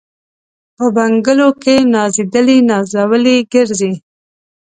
په بنګلو کي نازېدلي نازولي ګرځي